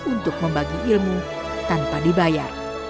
untuk membagi ilmu tanpa dibayar